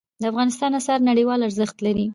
د افغانستان آثار نړیوال ارزښت لري.